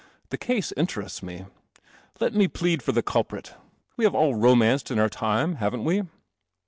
The case interests me. Let me plead for the culprit. We have all ro manced in our time, haven't we?"